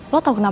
lo tau kenapa